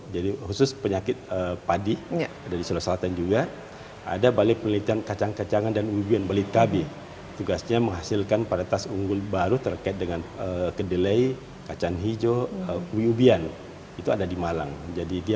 jadi dia bisa untuk pakan pangan dan energi